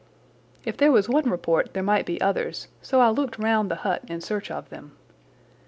If there was one report there might be others, so I looked round the hut in search of them.